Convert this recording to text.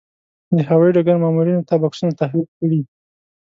د هوايي ډګر مامورینو ته بکسونه تحویل کړي.